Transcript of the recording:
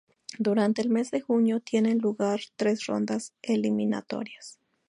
Durante el mes de junio tienen lugar tres rondas eliminatorias.